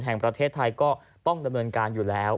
แห่งประเทศไทยก็ต้องดำเนินการอยู่แล้ว